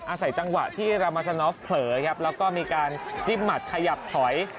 อาศัยจังหวะที่รามาซานอฟเผลอครับแล้วก็มีการจิ้มหมัดขยับถอย